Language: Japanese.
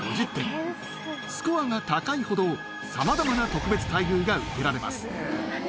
スコアが高いほど、さまざまな特別待遇が受けられます。